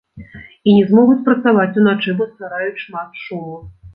І не змогуць працаваць уначы, бо ствараюць шмат шуму!